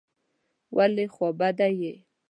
ولي خوابدی یې ؟